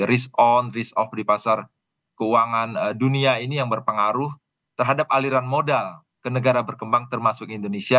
risk on risk off di pasar keuangan dunia ini yang berpengaruh terhadap aliran modal ke negara berkembang termasuk indonesia